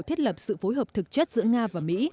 thiết lập sự phối hợp thực chất giữa nga và mỹ